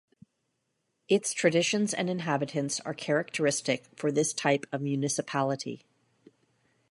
Its traditions and inhabitants are characteristic for this type of municipality.